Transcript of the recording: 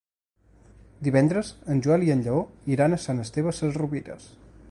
Divendres en Joel i en Lleó iran a Sant Esteve Sesrovires.